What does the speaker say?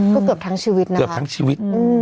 ก็เกือบทั้งชีวิตนะครับ